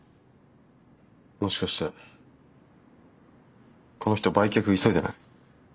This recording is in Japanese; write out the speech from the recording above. もしかしてこの人売却急いでない？